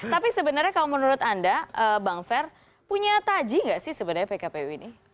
tapi sebenarnya kalau menurut anda bang fer punya taji nggak sih sebenarnya pkpu ini